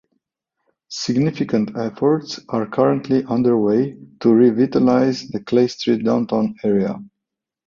Significant efforts are currently underway to revitalize the Clay Street downtown area.